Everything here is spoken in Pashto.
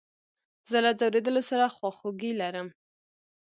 زه له ځورېدلو سره خواخوږي لرم.